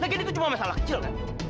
lagi itu cuma masalah kecil kan